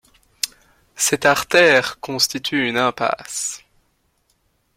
Cette artère constitue une impasse.